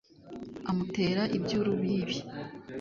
amutera iby’urubibi